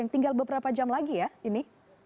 tinggal beberapa jam lagi ya ini